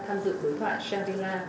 tham dự đối thoại shangri la